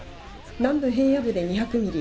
南部平野部で２００ミリ